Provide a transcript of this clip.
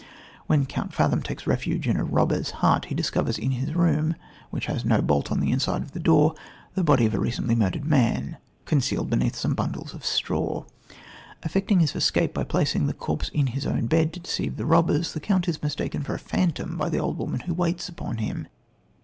When Count Fathom takes refuge in a robber's hut, he discovers in his room, which has no bolt on the inside of the door, the body of a recently murdered man, concealed beneath some bundles of straw. Effecting his escape by placing the corpse in his own bed to deceive the robbers, the count is mistaken for a phantom by the old woman who waits upon him.